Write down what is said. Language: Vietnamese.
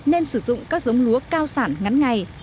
nên sử dụng các giống lúa cao sản ngắn ngày